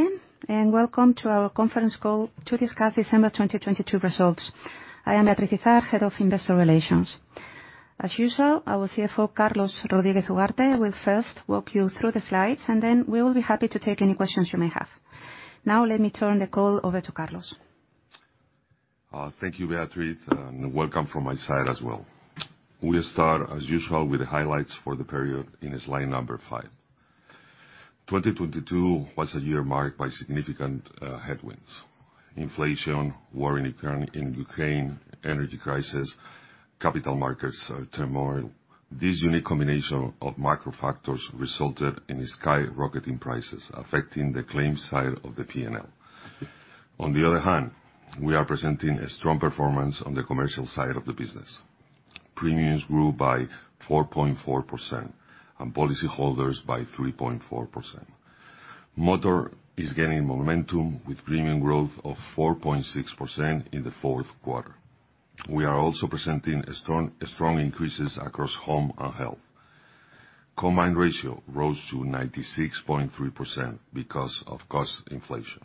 Morning, welcome to our conference call to discuss December 2022 results. I am Beatriz Izard, Head of Investor Relations. As usual, our CFO, Carlos Rodríguez Ugarte, will first walk you through the slides, then we will be happy to take any questions you may have. Now, let me turn the call over to Carlos. Thank you, Beatriz, and welcome from my side as well. We start, as usual, with the highlights for the period in slide number 5. 2022 was a year marked by significant headwinds: inflation, war in Ukraine, energy crisis, capital markets turmoil. This unique combination of macro factors resulted in skyrocketing prices, affecting the claims side of the P&L. On the other hand, we are presenting a strong performance on the commercial side of the business. Premiums grew by 4.4% and policy holders by 3.4%. Motor is gaining momentum with premium growth of 4.6% in the Q4. We are also presenting strong increases across home and health. combined ratio rose to 96.3% because of cost inflation.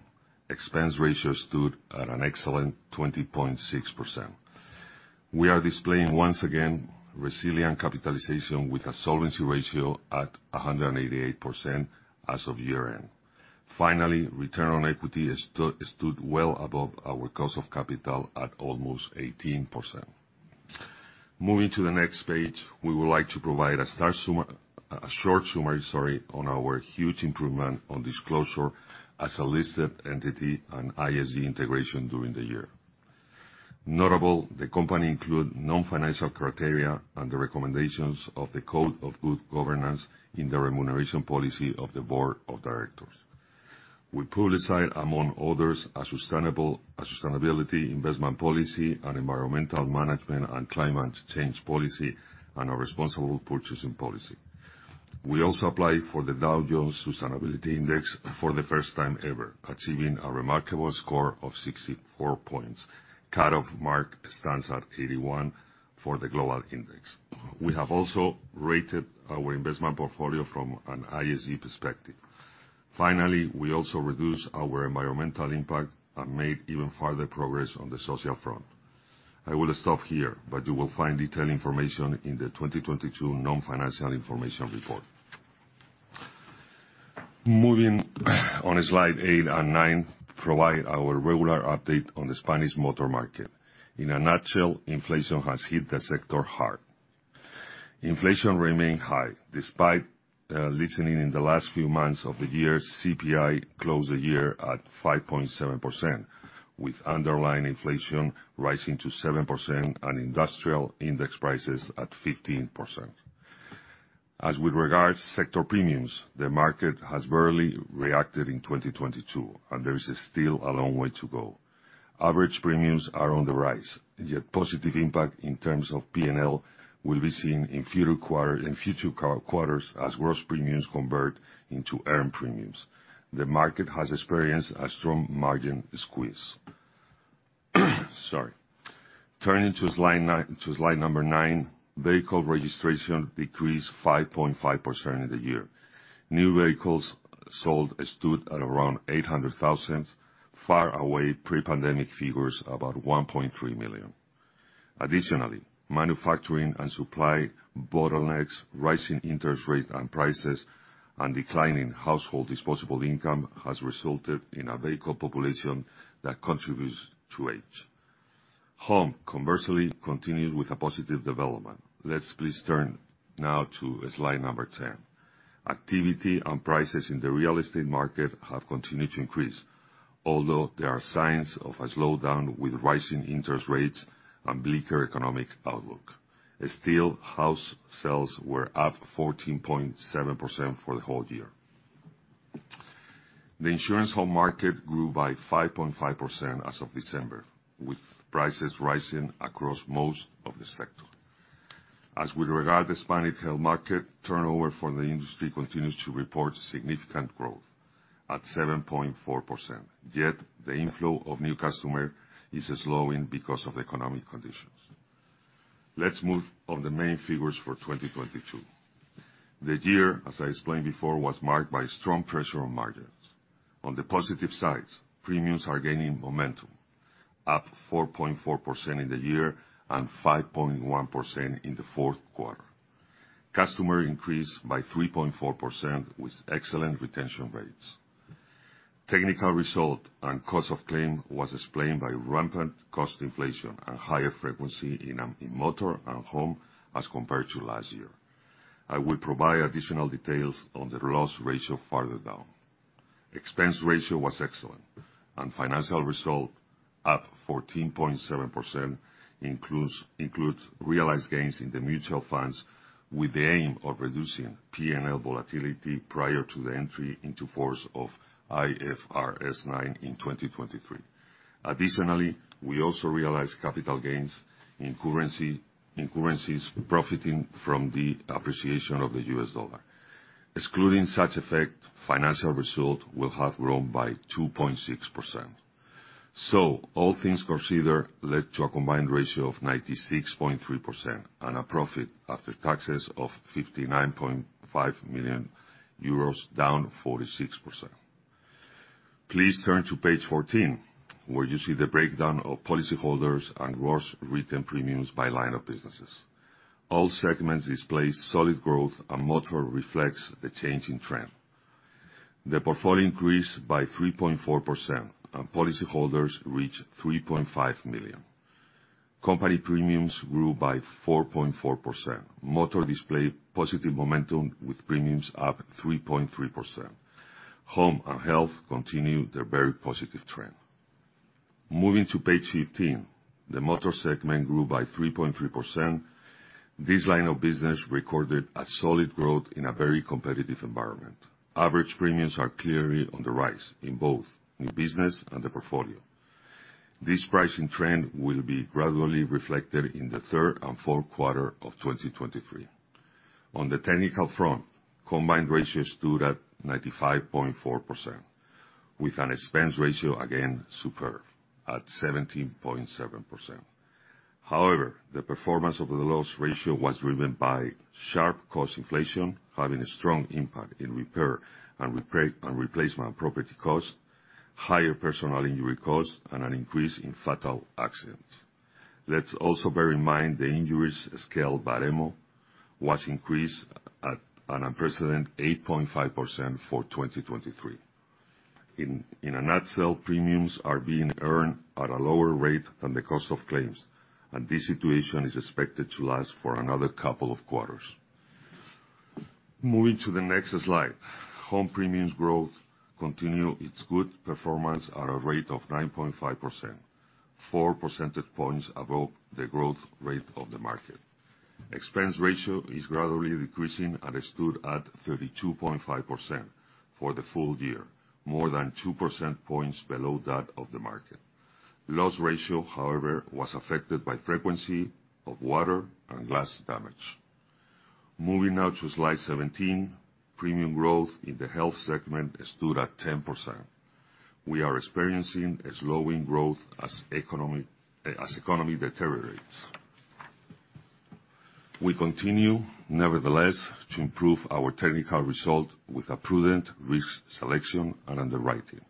expense ratio stood at an excellent 20.6%. We are displaying, once again, resilient capitalization with a solvency ratio at 188% as of year-end. Finally return on equity stood well above our cost of capital at almost 18%. Moving to the next page, we would like to provide a short summary, sorry, on our huge improvement on disclosure as a listed entity and ESG integration during the year. Notable, the company include non-financial criteria and the recommendations of the Code of Good Governance in the remuneration policy of the board of directors. We publicize, among others, a sustainability investment policy and environmental management and climate change policy and a responsible purchasing policy. We also apply for the Dow Jones Sustainability Index for the first time ever, achieving a remarkable score of 64 points. Cutoff mark stands at 81 for the global index. We have also rated our investment portfolio from an ESG perspective. We also reduce our environmental impact and made even further progress on the social front. You will find detailed information in the 2022 non-financial information report. Moving on, slide 8 and 9 provide our regular update on the Spanish motor market. In a nutshell, inflation has hit the sector hard. Inflation remained high despite loosening in the last few months of the year, CPI closed the year at 5.7%, with underlying inflation rising to 7% and industrial index prices at 15%. With regards sector premiums, the market has barely reacted in 2022, and there is still a long way to go. Average premiums are on the rise. Positive impact in terms of P&L will be seen in future quarter, in future quarters as gross premiums convert into earned premiums. The market has experienced a strong margin squeeze. Sorry. Turning to slide number 9, vehicle registration decreased 5.5% in the year. New vehicles sold stood at around 800,000, far away pre-pandemic figures, about 1.3 million. Manufacturing and supply bottlenecks, rising interest rate and prices, and declining household disposable income has resulted in a vehicle population that continues to age. Home, conversely, continues with a positive development. Let's please turn now to slide number 10. Activity and prices in the real estate market have continued to increase, although there are signs of a slowdown with rising interest rates and bleaker economic outlook. House sales were up 14.7% for the whole year. The insurance home market grew by 5.5% as of December, with prices rising across most of the sector. As with regard the Spanish health market, turnover for the industry continues to report significant growth at 7.4%. Yet the inflow of new customer is slowing because of the economic conditions. Let's move on the main figures for 2022. The year, as I explained before, was marked by strong pressure on margins. On the positive side, premiums are gaining momentum, up 4.4% in the year and 5.1% in the Q4. Customer increased by 3.4% with excellent retention rates. Technical result and cost of claim was explained by rampant cost inflation and higher frequency in motor and home as compared to last year. I will provide additional details on the loss ratio further down. Expense ratio was excellent, financial result, up 14.7%, includes realized gains in the mutual funds with the aim of reducing P&L volatility prior to the entry into force of IFRS 9 in 2023. Additionally, we also realize capital gains in currencies profiting from the appreciation of the US dollar. Excluding such effect, financial result will have grown by 2.6%. All things considered led to a combined ratio of 96.3% and a profit after taxes of 59.5 million euros, down 46%. Please turn to page 14, where you see the breakdown of policyholders and gross written premiums by line of businesses. All segments displays solid growth and motor reflects the changing trend. The portfolio increased by 3.4% and policyholders reached 3.5 million. Company premiums grew by 4.4%. Motor displayed positive momentum with premiums up 3.3%. Home and health continue their very positive trend. Moving to page 15. The motor segment grew by 3.3%. This line of business recorded a solid growth in a very competitive environment. Average premiums are clearly on the rise in both new business and the portfolio. This pricing trend will be gradually reflected in the third and Q4 of 2023. On the technical front, combined ratio stood at 95.4% with an expense ratio again, superb at 17.7%. The performance of the loss ratio was driven by sharp cost inflation, having a strong impact in repair and replacement property costs, higher personal injury costs, and an increase in fatal accidents. Let's also bear in mind the injuries scale Baremo was increased at an unprecedented 8.5% for 2023. In a nutshell, premiums are being earned at a lower rate than the cost of claims. This situation is expected to last for another couple of quarters. Moving to the next slide. Home premiums growth continue its good performance at a rate of 9.5%, 4% points above the growth rate of the market. Expense ratio is gradually decreasing. It stood at 32.5% for the full year, more than 2% points below that of the market. Loss ratio, however, was affected by frequency of water and glass damage. Moving now to slide 17. Premium growth in the health segment stood at 10%. We are experiencing a slowing growth as economy deteriorates. We continue, nevertheless, to improve our technical result with a prudent risk selection and underwriting.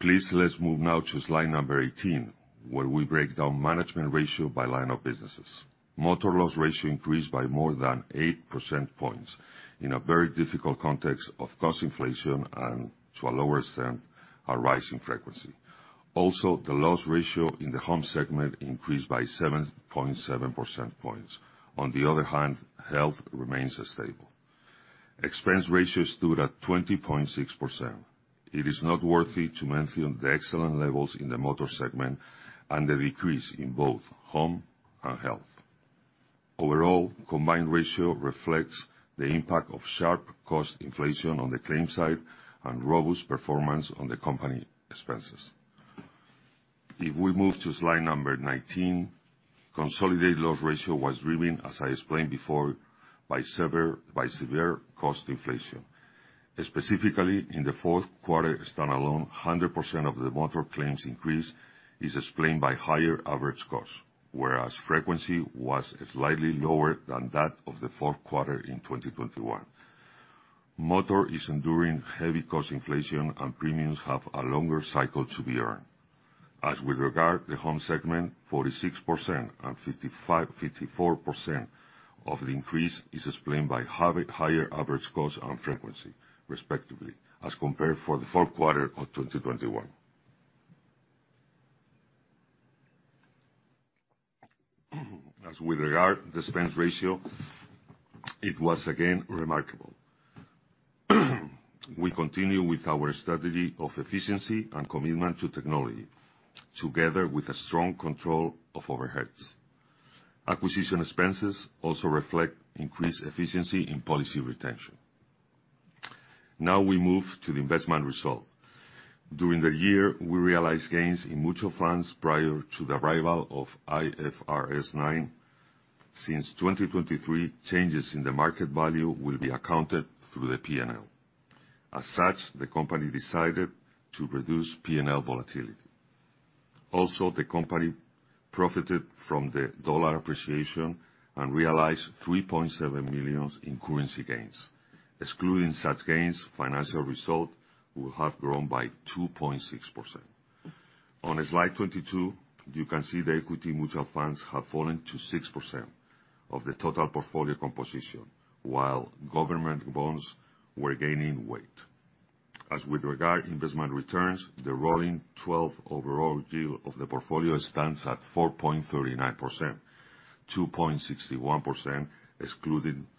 Please, let's move now to slide number 18, where we break down management ratio by line of businesses. Motor loss ratio increased by more than 8% points in a very difficult context of cost inflation and to a lower extent, a rise in frequency. The loss ratio in the home segment increased by 7.7% points. On the other hand, health remains stable. Expense ratio stood at 20.6%. It is noteworthy to mention the excellent levels in the Motor segment and the decrease in both home and health. Overall, combined ratio reflects the impact of sharp cost inflation on the claim side and robust performance on the company expenses. If we move to slide number 19, consolidated loss ratio was driven, as I explained before, by severe cost inflation. Specifically in the Q4 standalone, 100% of the motor claims increase is explained by higher average costs, whereas frequency was slightly lower than that of the Q4 in 2021. Motor is enduring heavy cost inflation and premiums have a longer cycle to be earned. As with regard the home segment, 46% and 54% of the increase is explained by higher average costs and frequency, respectively, as compared for the Q4 of 2021. As with regard the expense ratio, it was again remarkable. We continue with our strategy of efficiency and commitment to technology, together with a long control of overheads. Acquisition expenses also reflect increased efficiency in policy retention. Now we move to the investment result. During the year, we realized gains in mutual funds prior to the arrival of IFRS 9. Since 2023, changes in the market value will be accounted through the P&L. The company decided to reduce P&L volatility. The company profited from the dollar appreciation and realized $3.7 million in currency gains. Excluding such gains, financial result will have grown by 2.6%. On slide 22, you can see the equity mutual funds have fallen to 6% of the total portfolio composition, while government bonds were gaining weight. As with regard investment returns, the rolling 12 overall deal of the portfolio stands at 4.39%, 2.61%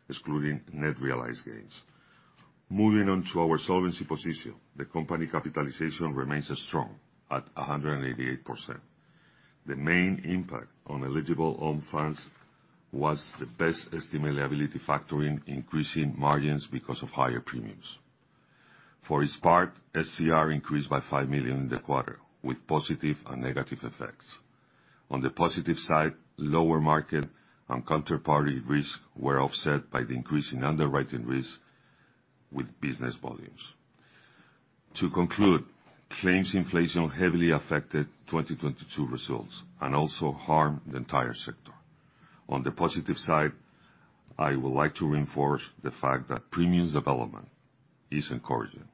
excluding net realized gains. Moving on to our solvency position. The company capitalization remains strong at 188%. The main impact on eligible own funds was the best estimate liability factor in increasing margins because of higher premiums. For its part, SCR increased by 5 million in the quarter with positive and negative effects. On the positive side, lower market and counterparty risk were offset by the increase in underwriting risk with business volumes. To conclude, claims inflation heavily affected 2022 results and also harmed the entire sector. On the positive side, I would like to reinforce the fact that premiums development is encouraging.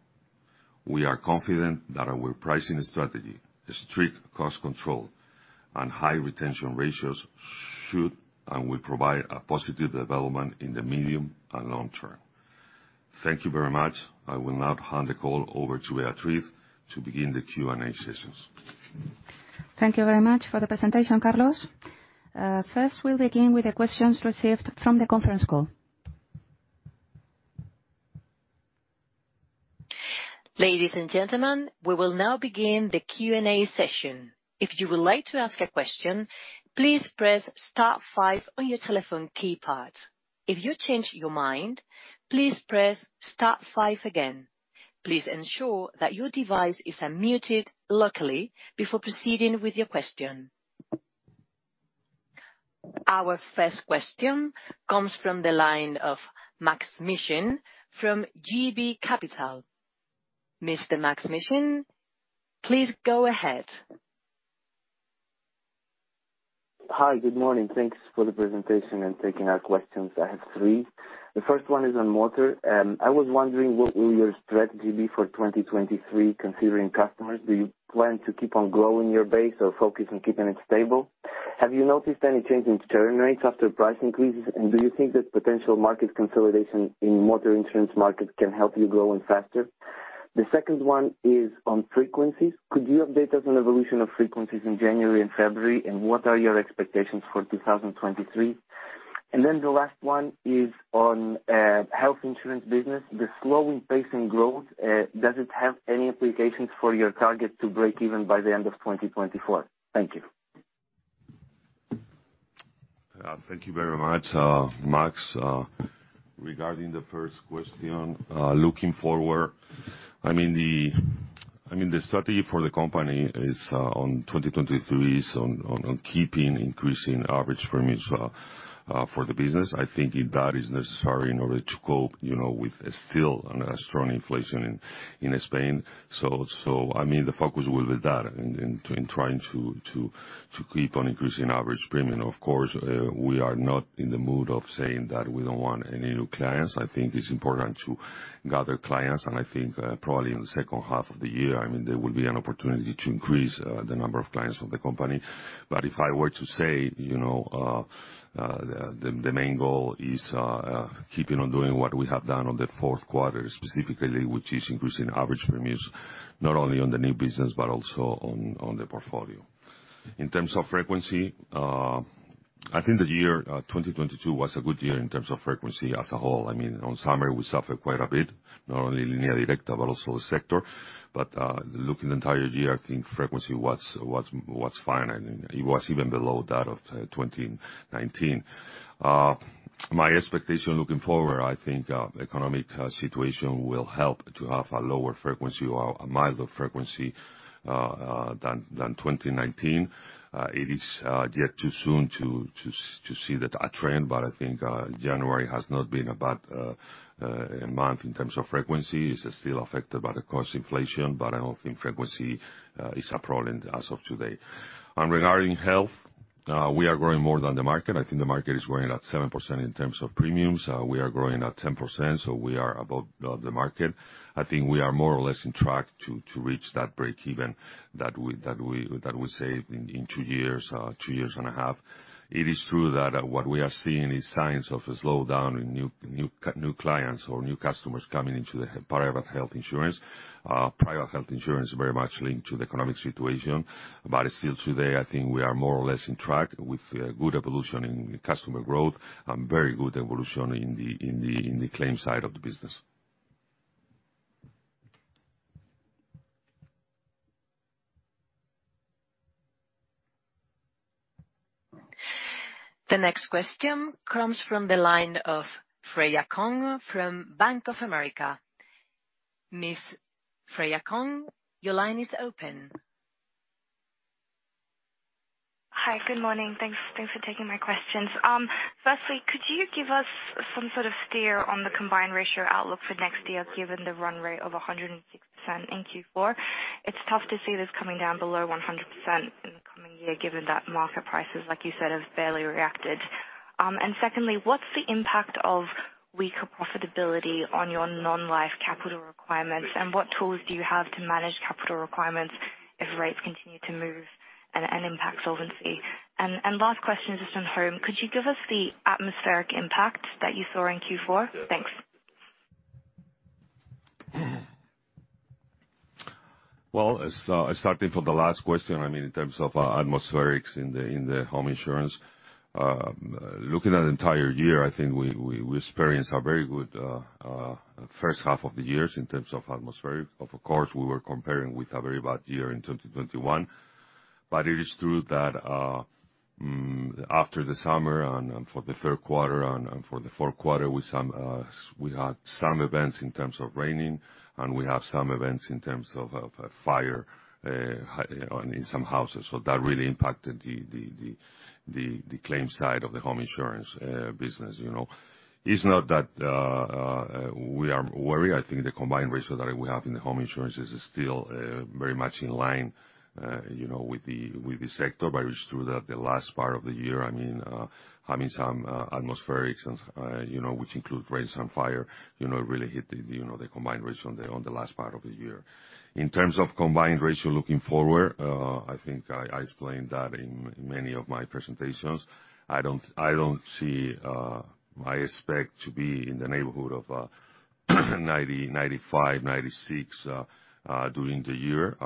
We are confident that our pricing strategy, strict cost control, and high retention ratios should and will provide a positive development in the medium and long term. Thank you very much. I will now hand the call over to Beatriz to begin the Q&A sessions. Thank you very much for the presentation, Carlos. First we'll begin with the questions received from the conference call. Ladies and gentlemen, we will now begin the Q&A session. If you would like to ask a question, please press star five on your telephone keypad. If you change your mind, please press star five again. Please ensure that your device is unmuted locally before proceeding with your question. Our first question comes from the line of Maksym Mishyn from JB Capital Markets. Mr. Maksym Mishyn, please go ahead. Hi, good morning. Thanks for the presentation and taking our questions. I have three. The first one is on motor. I was wondering what will your strategy be for 2023 considering customers. Do you plan to keep on growing your base or focus on keeping it stable? Have you noticed any change in churn rates after price increases? Do you think that potential market consolidation in motor insurance markets can help you growing faster? The second one is on frequencies. Could you update us on evolution of frequencies in January and February? What are your expectations for 2023? The last one is on health insurance business. The slowing pace in growth does it have any implications for your target to break even by the end of 2024? Thank you. Thank you very much, Maks. Regarding the first question, looking forward, I mean, the strategy for the company is on 2023 is on keeping increasing average premiums for the business. I think that is necessary in order to cope, you know, with still a strong inflation in Spain. I mean, the focus will be that in trying to keep on increasing average premium. Of course, we are not in the mood of saying that we don't want any new clients. I think it's important to gather clients, and I think, probably in the H2 of the year, I mean, there will be an opportunity to increase the number of clients of the company. If I were to say, you know, the main goal is keeping on doing what we have done on the Q4 specifically, which is increasing average premiums, not only on the new business but also on the portfolio. In terms of frequency, I think the year 2022 was a good year in terms of frequency as a whole. I mean, on summer, we suffered quite a bit, not only in Línea Directa, but also the sector. Looking the entire year, I think frequency was fine. It was even below that of 2019. My expectation looking forward, I think economic situation will help to have a lower frequency or a milder frequency than 2019. It is yet too soon to see that a trend. I think January has not been a bad month in terms of frequency. It's still affected by the cost inflation, but I don't think frequency is a problem as of today. Regarding health, we are growing more than the market. I think the market is growing at 7% in terms of premiums. We are growing at 10%, so we are above the market. I think we are more or less on track to reach that break even that we say in 2 years, 2 years and a half. It is true that what we are seeing is signs of a slowdown in new clients or new customers coming into the private health insurance. Private health insurance is very much linked to the economic situation. Still today, I think we are more or less on track with good evolution in customer growth and very good evolution in the claims side of the business. The next question comes from the line of Freya Kong from Bank of America. Ms. Freya Kong, your line is open. Hi. Good morning. Thanks, thanks for taking my questions. Firstly, could you give us some sort of steer on the combined ratio outlook for next year, given the run rate of 106% in Q4? It's tough to see this coming down below 100% in the coming year, given that market prices, like you said, have barely reacted. Secondly, what's the impact of weaker profitability on your non-life capital requirements? What tools do you have to manage capital requirements if rates continue to move and impact solvency? Last question is on home. Could you give us the atmospheric impact that you saw in Q4? Thanks. Well, as starting from the last question, I mean, in terms of atmospherics in the home insurance, looking at the entire year, I think we experienced a very good H1 of the year in terms of atmospheric. Of course, we were comparing with a very bad year in 2021. It is true that after the summer and for the Q3 and for the Q4, with some, we had some events in terms of raining, and we have some events in terms of fire in some houses. That really impacted the claims side of the home insurance business, you know. It's not that we are worried. I think the combined ratio that we have in the home insurance is still very much in line, you know, with the sector. It's true that the last part of the year, I mean, having some atmospherics, you know, which include rain and fire, you know, really hit the, you know, the combined ratio on the last part of the year. In terms of combined ratio looking forward, I think I explained that in many of my presentations. I don't see. I expect to be in the neighborhood of 90%, 95%, 96% during the year.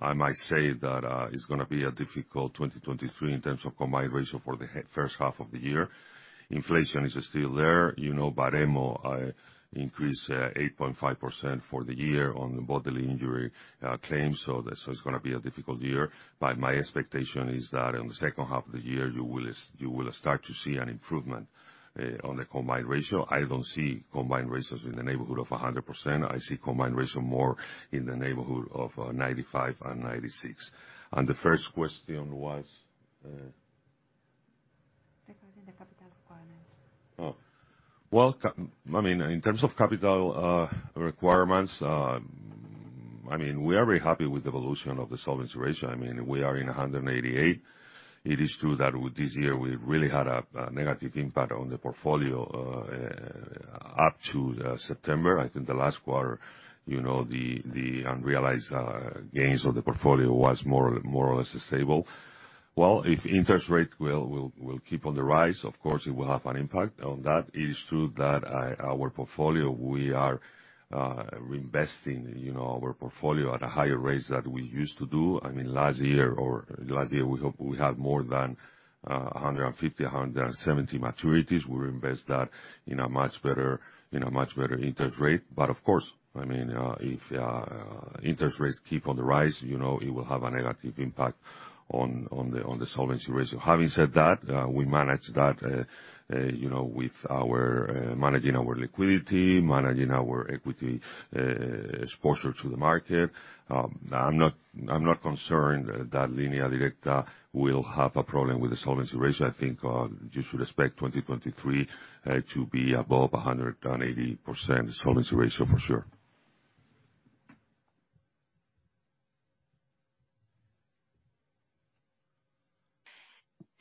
I might say that it's gonna be a difficult 2023 in terms of combined ratio for the H1 of the year. Inflation is still there. You know, Baremo increased 8.5% for the year on bodily injury claims. It's gonna be a difficult year. My expectation is that in the H2 of the year, you will start to see an improvement on the combined ratio. I don't see combined ratios in the neighborhood of 100%. I see combined ratio more in the neighborhood of 95% and 96%. The first question was... Regarding the capital requirements. Well, I mean, in terms of capital requirements, I mean, we are very happy with the evolution of the solvency ratio. I mean, we are in 188%. It is true that with this year, we really had a negative impact on the portfolio up to September. I think the last quarter, you know, the unrealized gains of the portfolio was more or less stable. Well, if interest rates will keep on the rise, of course it will have an impact on that. It is true that our portfolio, we are reinvesting, you know, our portfolio at a higher rate than we used to do. I mean, last year, we hope we have more than 150, 170 maturities. We'll invest that in a much better interest rate. Of course, I mean, if interest rates keep on the rise, you know, it will have a negative impact on the solvency ratio. Having said that, we manage that, you know, with our managing our liquidity, managing our equity exposure to the market. I'm not concerned that Línea Directa will have a problem with the solvency ratio. I think you should expect 2023 to be above a 180% solvency ratio for sure.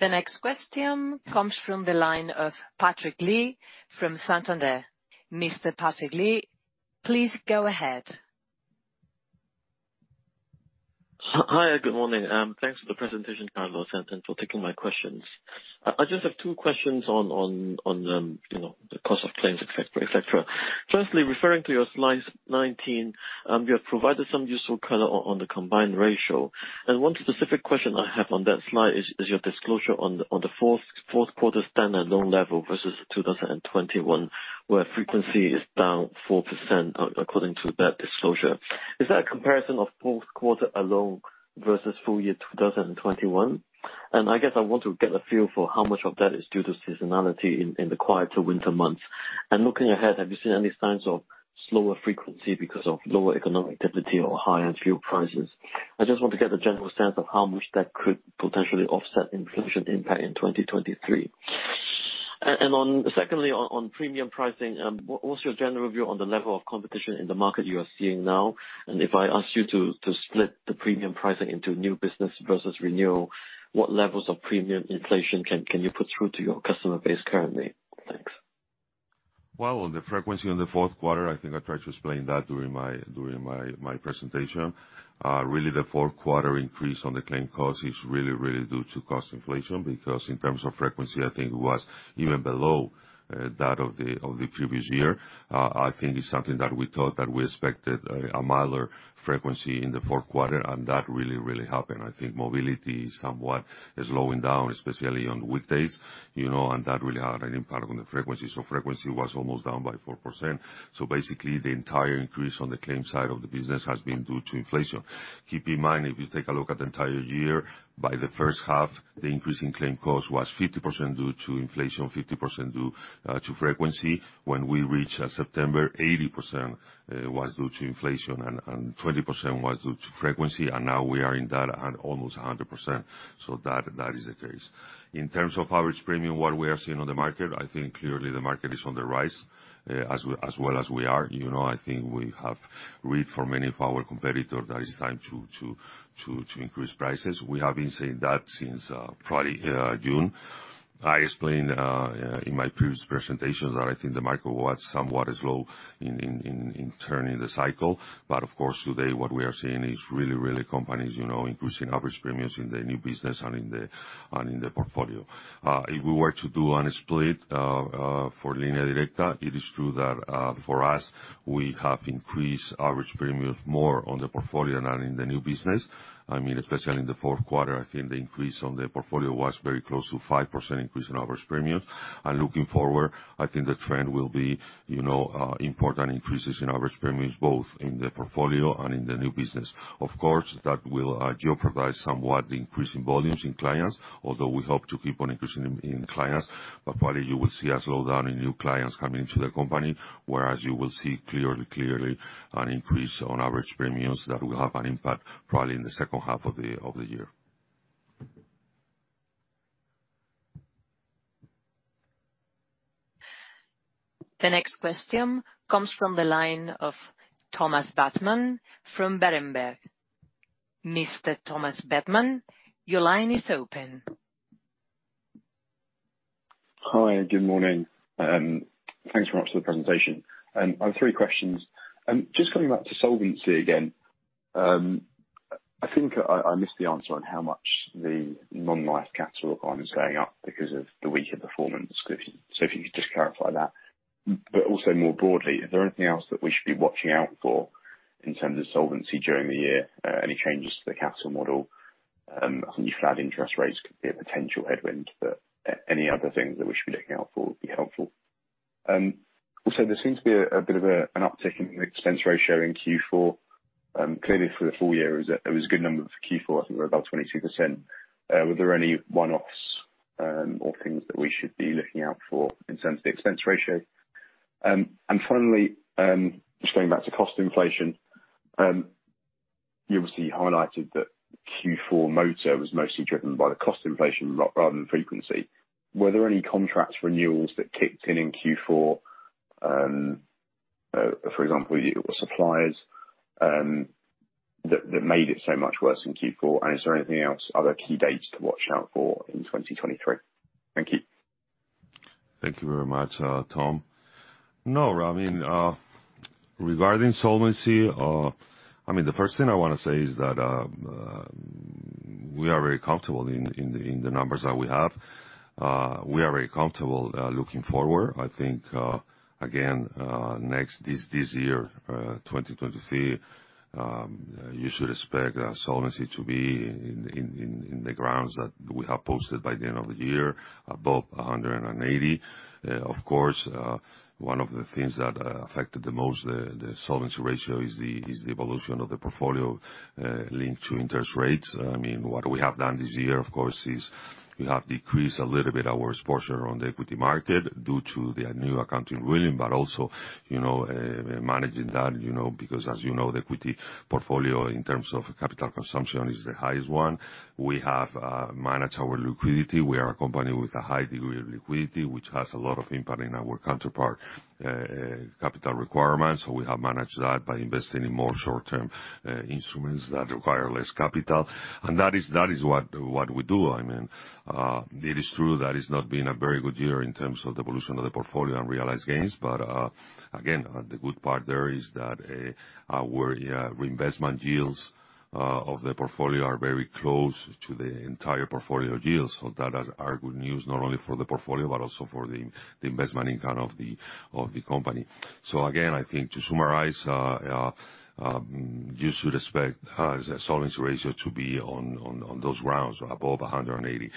The next question comes from the line of Patrick Li from Santander. Mr. Patrick Li, please go ahead. Hi, good morning. Thanks for the presentation, Carlos, and for taking my questions. I just have two questions on, you know, the cost of claims, et cetera, et cetera. Firstly, referring to your slide 19, you have provided some useful color on the combined ratio. One specific question I have on that slide is your disclosure on the Q4 standard loan level versus 2021, where frequency is down 4% according to that disclosure. Is that a comparison of Q4 alone versus full year 2021? I guess I want to get a feel for how much of that is due to seasonality in the quieter winter months. Looking ahead, have you seen any signs of slower frequency because of lower economic activity or higher fuel prices? I just want to get a general sense of how much that could potentially offset inflation impact in 2023. Secondly, on premium pricing, what's your general view on the level of competition in the market you are seeing now? If I ask you to split the premium pricing into new business versus renewal, what levels of premium inflation can you put through to your customer base currently? Thanks. On the frequency in the Q4, I think I tried to explain that during my presentation. Really the Q4 increase on the claim cost is really due to cost inflation, because in terms of frequency, I think it was even below that of the previous year. I think it's something that we thought that we expected a milder frequency in the Q4, and that really happened. I think mobility is somewhat slowing down, especially on weekdays, you know, and that really had an impact on the frequency. Frequency was almost down by 4%. Basically, the entire increase on the claim side of the business has been due to inflation. Keep in mind, if you take a look at the entire year, by the H1, the increase in claim cost was 50% due to inflation, 50% due to frequency. When we reached September, 80% was due to inflation and 20% was due to frequency, and now we are in that at almost 100%. That, that is the case. In terms of average premium, what we are seeing on the market, I think clearly the market is on the rise, as well as we are. You know, I think we have read from many of our competitor that it's time to increase prices. We have been saying that since, probably, June. I explained in my previous presentations that I think the market was somewhat is low in turning the cycle. Of course, today, what we are seeing is really companies, you know, increasing average premiums in the new business and in the portfolio. If we were to do an split for Línea Directa, it is true that for us, we have increased average premiums more on the portfolio than in the new business. I mean, especially in the Q4, I think the increase on the portfolio was very close to 5% increase in average premiums. Looking forward, I think the trend will be, you know, important increases in average premiums both in the portfolio and in the new business. Of course, that will jeopardize somewhat the increase in volumes in clients, although we hope to keep on increasing in clients. Probably you will see a slowdown in new clients coming into the company, whereas you will see clearly an increase on average premiums that will have an impact probably in the H2 of the year. The next question comes from the line of Thomas Bateman from Berenberg. Mr. Thomas Bateman, your line is open. Hi, good morning. Thanks very much for the presentation. I have three questions. Just coming back to solvency again. I think I missed the answer on how much the non-life capital requirement is going up because of the weaker performance. If you could just clarify that. Also more broadly, is there anything else that we should be watching out for in terms of solvency during the year? Any changes to the capital model? I think flat interest rates could be a potential headwind. Any other things that we should be looking out for would be helpful. Also there seems to be a bit of a, an uptick in the expense ratio in Q4. Clearly for the full year was a, it was a good number for Q4, I think we're about 22%. Were there any one-offs or things that we should be looking out for in terms of the expense ratio? Finally, just going back to cost inflation, you obviously highlighted that Q4 motor was mostly driven by the cost inflation rather than frequency. Were there any contract renewals that kicked in in Q4, for example, your suppliers, that made it so much worse in Q4 and is there anything else, other key dates to watch out for in 2023? Thank you. Thank you very much, Tom. I mean, regarding solvency, I mean the first thing I wanna say is that we are very comfortable in the numbers that we have. We are very comfortable looking forward. I think again this year, 2023, you should expect solvency to be in the grounds that we have posted by the end of the year, above 180. Of course, one of the things that affected the most the solvency ratio is the evolution of the portfolio linked to interest rates. I mean, what we have done this year, of course, is we have decreased a little bit our exposure on the equity market due to the new accounting ruling. Also, you know, managing that, you know, because as you know, the equity portfolio in terms of capital consumption is the highest one. We have managed our liquidity. We are a company with a high degree of liquidity, which has a lot of impact in our counterpart capital requirements. We have managed that by investing in more short-term instruments that require less capital. That is what we do. I mean, it is true that it's not been a very good year in terms of the evolution of the portfolio and realized gains. Again, the good part there is that our reinvestment yields of the portfolio are very close to the entire portfolio yields. Are good news not only for the portfolio, but also for the investment income of the company. Again, I think to summarize, you should expect solvency ratio to be on those grounds above 180.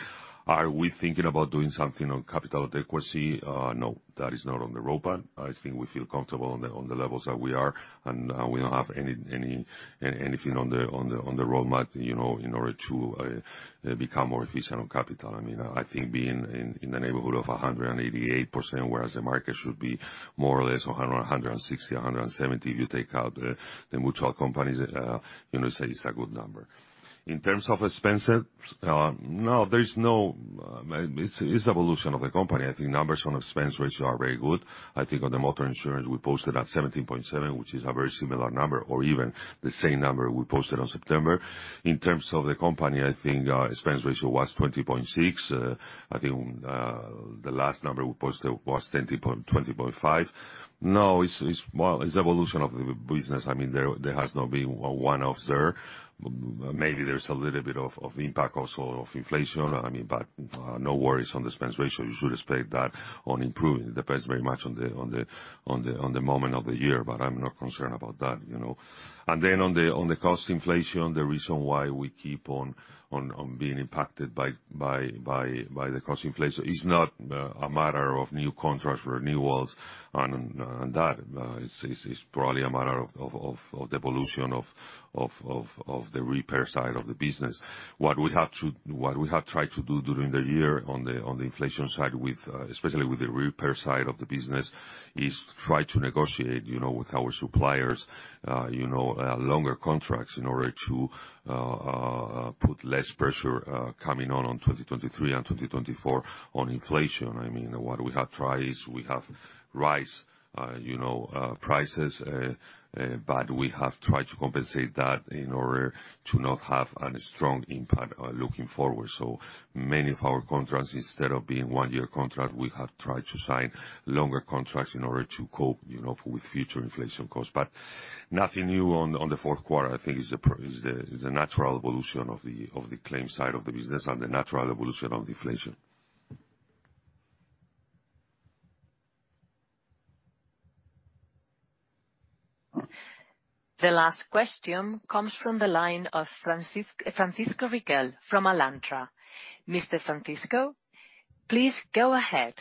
Are we thinking about doing something on capital adequacy? No, that is not on the roadmap. I think we feel comfortable on the levels that we are, and we don't have anything on the roadmap, you know, in order to become more efficient on capital. I mean, I think being in the neighborhood of 188%, whereas the market should be more or less 100%, 160%, 170% if you take out the mutual companies, you know, say it's a good number. In terms of expenses, no, there's no... It's evolution of the company. I think numbers on expense ratio are very good. I think on the motor insurance, we posted at 17.7%, which is a very similar number or even the same number we posted on September. In terms of the company, I think, expense ratio was 20.6%. I think, the last number we posted was 20.5%. No, it's... Well, it's the evolution of the business. I mean, there has not been one officer. Maybe there's a little bit of impact also of inflation. I mean, no worries on the expense ratio. You should expect that on improving. Depends very much on the moment of the year, but I'm not concerned about that, you know. Then on the cost inflation, the reason why we keep on being impacted by the cost inflation is not a matter of new contracts, renewals and that. It's probably a matter of the evolution of the repair side of the business. What we have tried to do during the year on the inflation side with especially with the repair side of the business is try to negotiate, you know, with our suppliers, you know, longer contracts in order to put less pressure coming on 2023 and 2024 on inflation. I mean, what we have tried is we have raised, you know, prices, but we have tried to compensate that in order to not have a strong impact looking forward. Many of our contracts, instead of being 1-year contract, we have tried to sign longer contracts in order to cope, you know, with future inflation costs. Nothing new on the Q4. I think it's the natural evolution of the claims side of the business and the natural evolution on the inflation. The last question comes from the line of Francisco Riquel from Alantra. Mr. Francisco, please go ahead.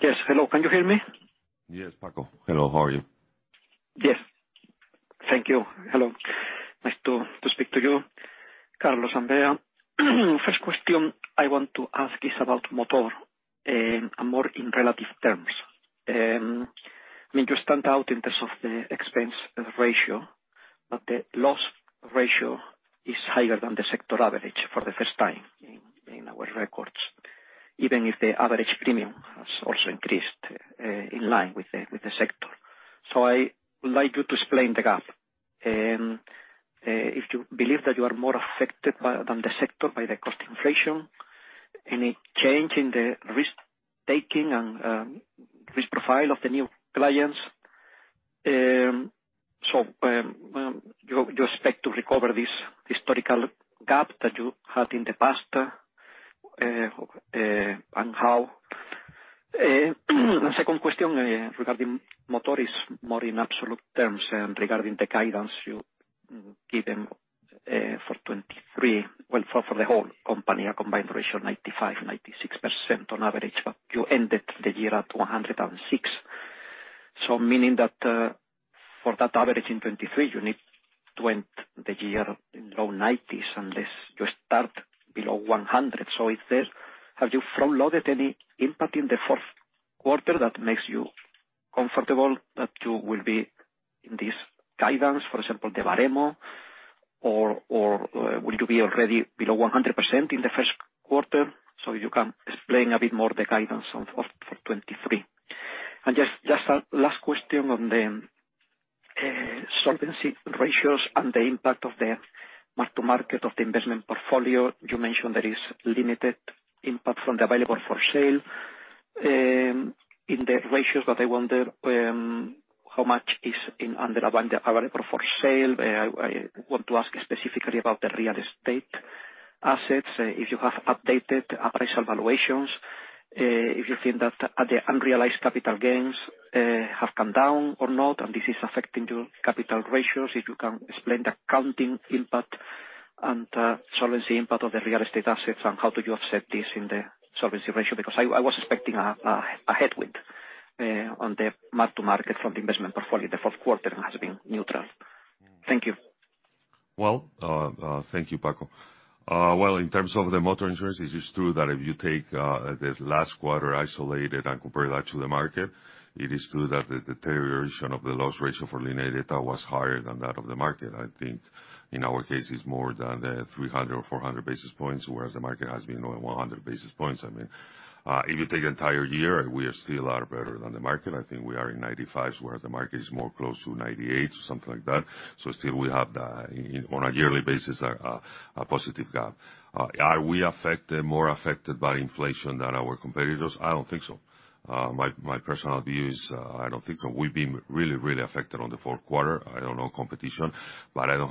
Yes. Hello. Can you hear me? Yes, Paco. Hello, how are you? Yes. Thank you. Hello. Nice to speak to you Carlos and Bea, first question I want to ask is about motor and more in relative terms. I mean, you stand out in terms of the expense ratio, but the loss ratio is higher than the sector average for the first time in our records, even if the average premium has also increased in line with the sector. I would like you to explain the gap, and if you believe that you are more affected than the sector by the cost inflation, any change in the risk taking and risk profile of the new clients. You expect to recover this historical gap that you had in the past, and how? The second question regarding motor is more in absolute terms and regarding the guidance you gave them for 2023. Well, for the whole company, a combined ratio, 95%-96% on average, but you ended the year at 106. Meaning that, for that average in 2023, you need to end the year in low 90s unless you start below 100. Have you front-loaded any impact in the Q4 that makes you comfortable that you will be in this guidance, for example, the Baremo, or will you be already below 100% in the Q1, so you can explain a bit more the guidance of, for 2023? Just a last question on the solvency ratios and the impact of the mark-to-market of the investment portfolio. You mentioned there is limited impact from the available for sale in the ratios. I wonder how much is in under available for sale? I want to ask specifically about the real estate assets, if you have updated appraisal valuations, if you think that the unrealized capital gains have come down or not, and this is affecting your capital ratios. If you can explain the accounting impact and solvency impact of the real estate assets, and how do you offset this in the solvency ratio? I was expecting a headwind on the mark to market from the investment portfolio. The Q4 has been neutral. Thank you. Well, thank you, Paco. Well, in terms of the motor insurance, it is true that if you take the last quarter isolated and compare that to the market, it is true that the deterioration of the loss ratio for Línea Directa was higher than that of the market. I think in our case, it's more than the 300 or 400 basis points, whereas the market has been around 100 basis points. I mean, if you take the entire year, we are still a lot better than the market. I think we are in 95, whereas the market is more close to 98 or something like that. Still we have the, on a yearly basis, a positive gap. Are we affected, more affected by inflation than our competitors? I don't think so. My personal view is, I don't think so. We've been really affected on the Q4. I don't know competition, I don't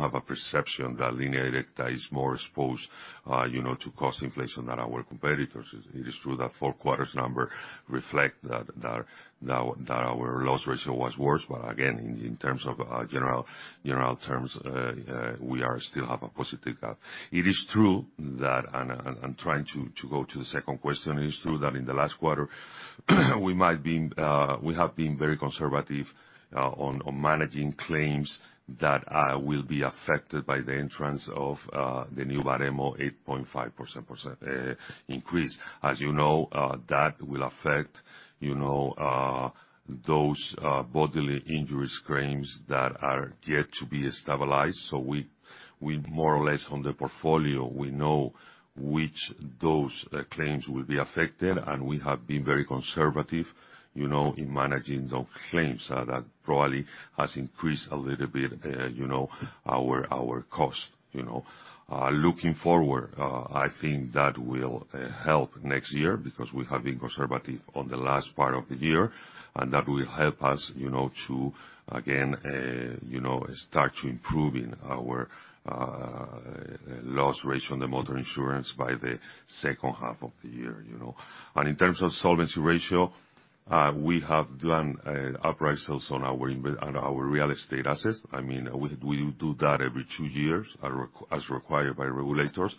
have a perception that Línea Directa is more exposed, you know, to cost inflation than our competitors. It is true that Q4's number reflect that our loss ratio was worse. Again, in terms of general terms, we are still have a positive gap. It is true that, I'm trying to go to the second question, it is true that in the last quarter, we have been very conservative on managing claims that will be affected by the entrance of the new Baremo 8.5% increase. As you know, that will affect, you know, those bodily injuries claims that are yet to be stabilized. We more or less on the portfolio, we know which those claims will be affected, and we have been very conservative, you know, in managing those claims. That probably has increased a little bit, you know, our costs, you know. Looking forward, I think that will help next year because we have been conservative on the last part of the year, and that will help us, you know, to again, you know, start to improving our loss ratio on the motor insurance by the H2 of the year, you know. In terms of solvency ratio, we have done appraisals on our real estate assets. We do that every 2 years, as required by regulators.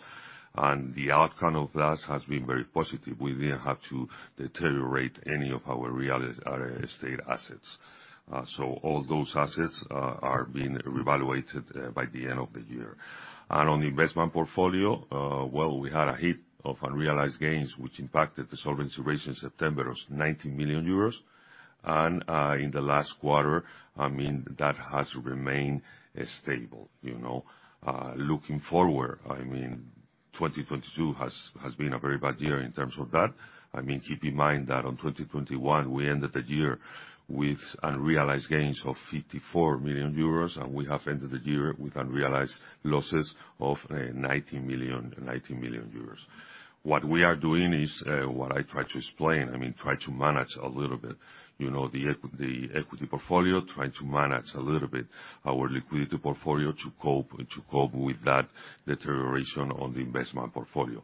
The outcome of that has been very positive. We didn't have to deteriorate any of our real estate assets. All those assets are being revaluated by the end of the year. On the investment portfolio, well, we had a hit of unrealized gains, which impacted the solvency ratio in September. It was 90 million euros. In the last quarter, that has remained stable, you know. Looking forward, 2022 has been a very bad year in terms of that. Keep in mind that on 2021, we ended the year with unrealized gains of 54 million euros, and we have ended the year with unrealized losses of 90 million. What we are doing is what I try to explain, try to manage a little bit, you know, the equity portfolio, trying to manage a little bit our liquidity portfolio to cope with that deterioration on the investment portfolio.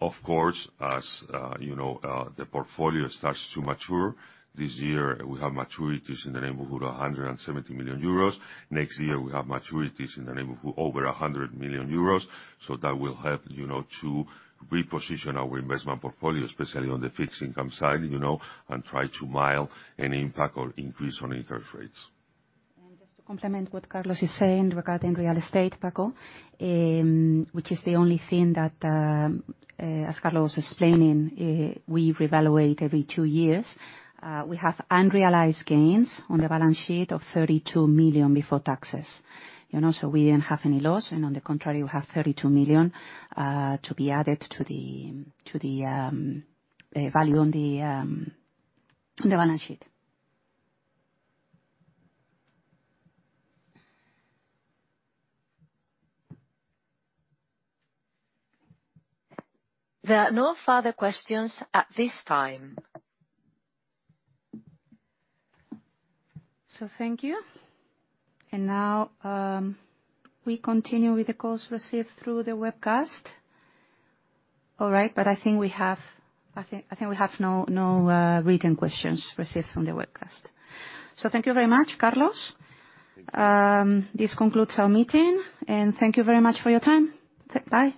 Of course, as, you know, the portfolio starts to mature, this year we have maturities in the neighborhood of 170 million euros. Next year, we have maturities in the neighborhood of over 100 million euros. That will help, you know, to reposition our investment portfolio, especially on the fixed income side, you know, and try to mild any impact or increase on interest rates. Just to complement what Carlos is saying regarding real estate, Paco, which is the only thing that, as Carlos was explaining, we revaluate every two years. We have unrealized gains on the balance sheet of 32 million before taxes. You know, we don't have any loss, and on the contrary, we have 32 million to be added to the value on the balance sheet. There are no further questions at this time. Thank you. Now, we continue with the calls received through the webcast. All right, I think we have no written questions received from the webcast. Thank you very much, Carlos. This concludes our meeting, and thank you very much for your time. Bye.